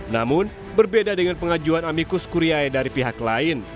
namun berbeda dengan pengajuan amikus kuriae dari pihak lain